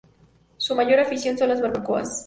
Su mayor afición son las barbacoas.